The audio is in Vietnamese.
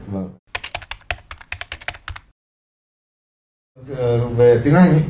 về tiếng anh